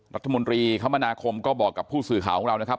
รัฐมนตรีคมนาคมก็บอกกับผู้สื่อข่าวของเรานะครับ